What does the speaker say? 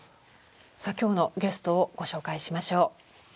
さあ今日のゲストをご紹介しましょう。